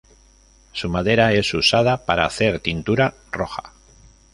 Su madera es usada para hacer tintura roja.